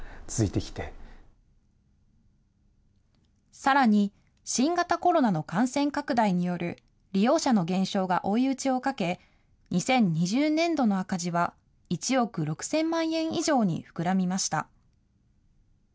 さらに、新型コロナの感染拡大による利用者の減少が追い打ちをかけ、２０２０年度の赤字は１億６０００万円以上に膨らみました。